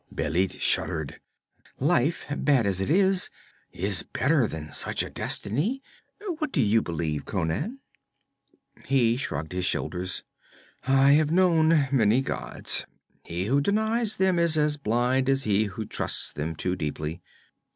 Bêlit shuddered. 'Life, bad as it is, is better than such a destiny. What do you believe, Conan?' He shrugged his shoulders. 'I have known many gods. He who denies them is as blind as he who trusts them too deeply.